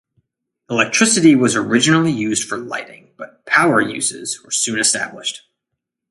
Electricity was originally used for lighting but ‘power’ uses were soon established.